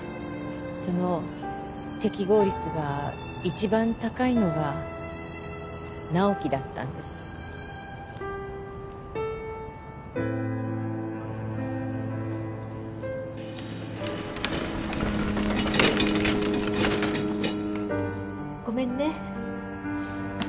その適合率が一番高いのが直木だったんですごめんね